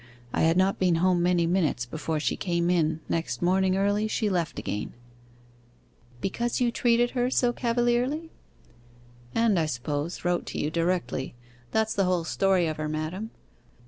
I had not been home many minutes before she came in, next morning early she left again ' 'Because you treated her so cavalierly?' 'And as I suppose, wrote to you directly. That's the whole story of her, madam.